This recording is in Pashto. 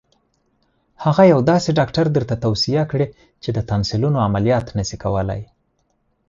هغه یو داسې ډاکټر درته توصیه کړي چې د تانسیلونو عملیات نه شي کولای.